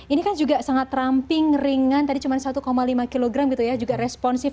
ini kan juga sangat ramping ringan tadi cuma satu lima kg gitu ya juga responsif